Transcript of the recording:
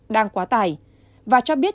đang quá tải và cho biết